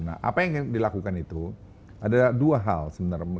nah apa yang dilakukan itu ada dua hal sebenarnya